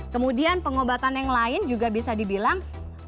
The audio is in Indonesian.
kemudian pengobatan yang lain juga bisa dibilang